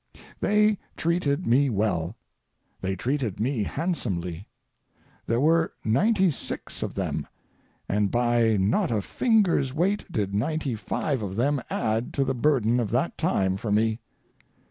They treated me well; they treated me handsomely. There were ninety six of them, and by not a finger's weight did ninety five of them add to the burden of that time for me.